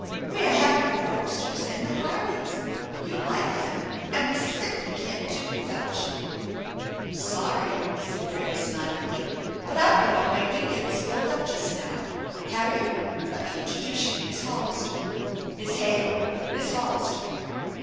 We are having the Foresters and the Harvey3. You like them, and we simply can't do without you/' THE ENCHANTED BARN 297 "Sorry," said Graham, smilingly, "but I've got all my week ends filled up just now. Harriet, let me introduce you to Miss Hollister. Miss Hale, Miss Hollister